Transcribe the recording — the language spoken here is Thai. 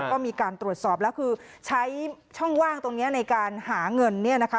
ก็มีการตรวจสอบแล้วคือใช้ช่องว่างตรงนี้ในการหาเงินเนี่ยนะคะ